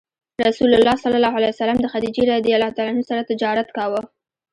رسول الله ﷺ د خدیجې رض سره تجارت کاوه.